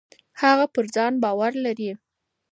هغه پر ځان باور لري.